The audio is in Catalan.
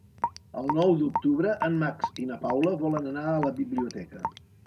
El nou d'octubre en Max i na Paula volen anar a la biblioteca.